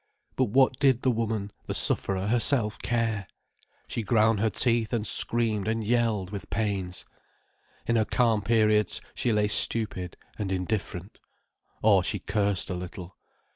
But what did the woman, the sufferer, herself care! She ground her teeth and screamed and yelled with pains. In her calm periods she lay stupid and indifferent—or she cursed a little.